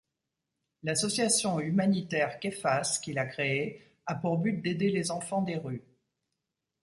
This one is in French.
L'association humanitaire Kephas qu'il a créée, a pour but d'aider les enfants des rues.